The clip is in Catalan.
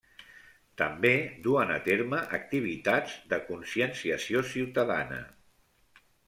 També duen a terme activitats de conscienciació ciutadana.